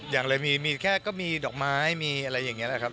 ยังเลยมีแค่ก็มีดอกไม้มีอะไรอย่างนี้นะครับ